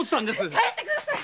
帰ってください！